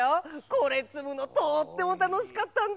これつむのとってもたのしかったんだ。